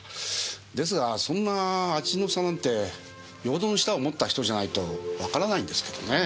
ですがそんな味の差なんてよほどの舌を持った人じゃないとわからないんですけどねぇ。